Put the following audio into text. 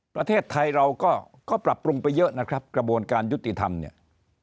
ประเทศไทยเราก็ปรับปรุงไปเยอะนะครับกระบวนการยุติธรรมเนี่ย